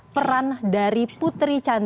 peran dari putri candrawati